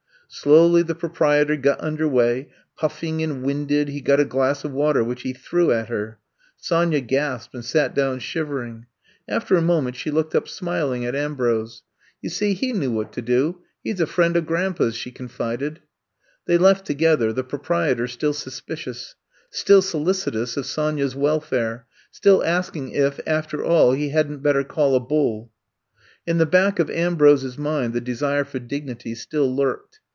Slowly the proprietor got under way; puffing and winded he got a glass of water which he threw at her. Sonya gasped, and sat down shivering. After a moment she looked up smiling at Ambrose. 146 I'VE COMB TO STAY You see he knew what to do— he 's a friend of grandpa *s, '* she confided. They left together, the proprietor still suspicious, still solicitous of Sonya^s wel fare, still asking if after all he hadn't bettercallabull.'' In the back of Ambrose *s mind the desire for dignity still lurked.